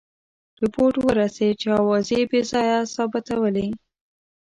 رپوټ ورسېد چې آوازې بې ځایه ثابتولې.